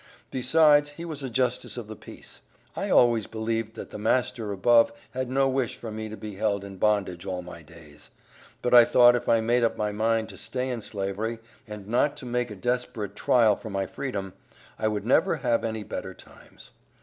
Besides he was a justice of the peace. I always believed that the Master above had no wish for me to be held in bondage all my days; but I thought if I made up my mind to stay in Slavery, and not to make a desperate trial for my freedom, I would never have any better times.